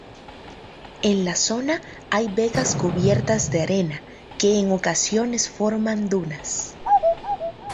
En la zona hay vegas cubiertas de arena, que en ocasiones forman dunas.